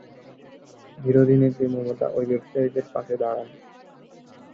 বিরোধী নেত্রী মমতা ওই ব্যবসায়ীদের পাশে দাঁড়ান।